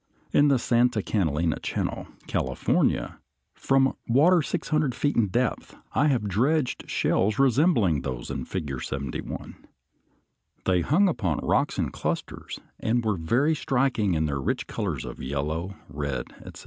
In the Santa Catalina Channel, California, from water six hundred feet in depth, I have dredged shells resembling those in Figure 71. They hung upon rocks in clusters, and were very striking in their rich colors of yellow, red, etc.